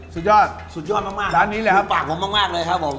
สุดยอดสุดยอดมากดูปากผมมากเลยครับผมร้านนี้เลยครับ